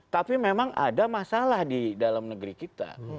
tapi memang ada masalah di dalam negeri kita